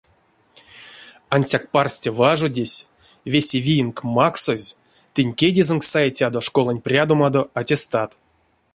Ансяк парсте важодезь, весе виенк максозь, тынь кедезэнк сайтядо школанть прядомадо аттестатт.